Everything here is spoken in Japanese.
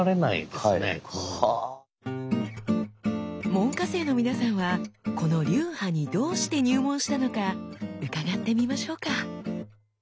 門下生の皆さんはこの流派にどうして入門したのか伺ってみましょうか。